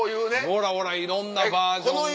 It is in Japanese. ほらほらいろんなバージョンの。